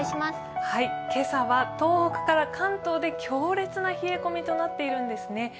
今朝は東北から関東で強烈な冷え込みとなっているんですね。